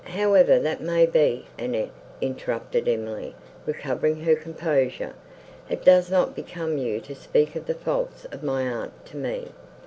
"However that may be, Annette," interrupted Emily, recovering her composure, "it does not become you to speak of the faults of my aunt to me.